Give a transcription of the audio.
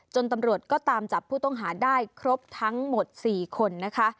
ตำรวจก็ตามจับผู้ต้องหาได้ครบทั้งหมด๔คนนะคะ